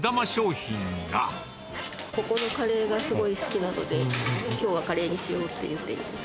ここのカレーがすごい好きなので、きょうはカレーにしようって言って。